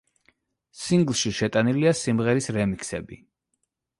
სინგლში შეტანილია სიმღერის რემიქსები.